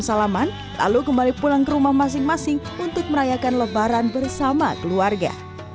salaman lalu kembali pulang ke rumah masing masing untuk merayakan lebaran bersama keluarga